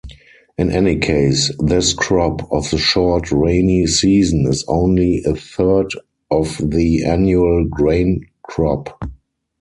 In any case, this crop of the short rainy season is only a third of the annual grain crop.